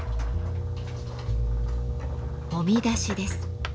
「揉み出し」です。